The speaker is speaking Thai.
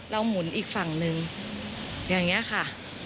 เราหมุนอีกฝั่งนึงอย่างเนี่ยค่ะ